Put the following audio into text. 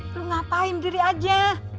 lu ngapain diri aja